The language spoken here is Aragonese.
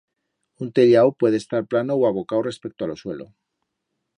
Un tellau puede estar plano u abocau respecto a lo suelo.